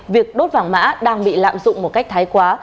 việc đốt vàng mã đang bị lạm dụng một cách thái quá